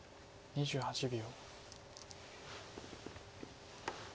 ２８秒。